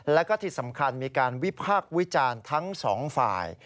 แล้วก็ที่สำคัญมีการวิพากษ์วิจารณ์ทั้งสองฝ่าย